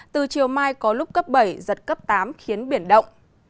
từ chiều mai có lúc cấp bảy giật cấp tám khiến biển động